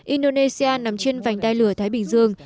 indonesia nằm trên vành đai lửa thái bình dương